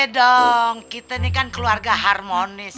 iya dong kita ini kan keluarga harmonis ya pak eroy